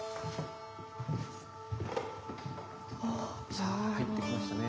さあ入ってきましたね。